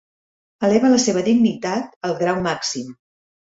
Eleva la seva dignitat al grau màxim.